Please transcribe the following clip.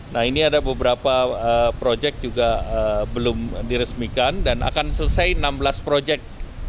nah ini ada beberapa proyek juga belum diresmikan dan akan selesai enam belas proyek